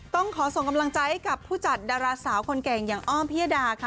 ต้องขอส่งกำลังใจให้กับผู้จัดดาราสาวคนเก่งอย่างอ้อมพิยดาค่ะ